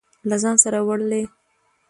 له ځان سره وړلې.